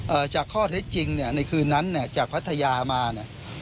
จากข้อเท็จจริงเนี่ยในคืนนั้นเนี่ยจากพัทยามาเนี่ย